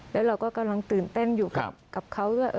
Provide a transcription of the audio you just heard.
แล้วเราก็กำลังตื่นเต้นอยู่กับเขาด้วย